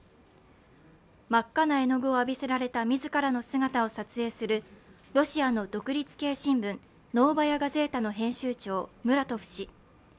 真っ赤な絵の具を浴びせられた自らの姿を撮影するロシアの独立系新聞「ノーバヤ・ガゼータ」の編集長のムラトフ氏。